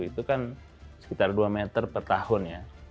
itu kan sekitar dua meter per tahun ya